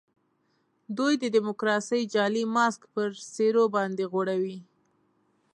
دوی د ډیموکراسۍ جعلي ماسک پر څېرو باندي غوړوي.